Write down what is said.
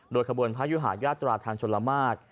ขบวนพระยุหายาตราทางชนละมาก